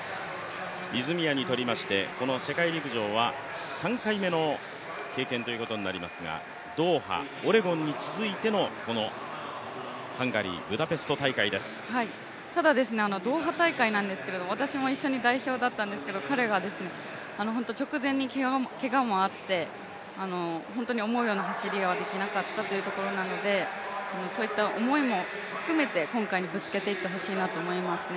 泉谷にとりましてこの世界陸上は３回目の経験ということになりますがドーハ、オレゴンに続いてのハンガリー・ブダペスト大会ですドーハ大会なんですけど、私も一緒に代表だったんですけど彼が本当直前にけがもあって、本当に思うような走りができなかったというところなのでそういった思いも含めて、今回にぶつけていってほしいなと思いますね。